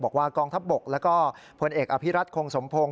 บอกว่ากองทัพบกแล้วก็พลเอกอะภิรัตโครงสมพงษ์